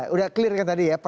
sudah clear kan tadi ya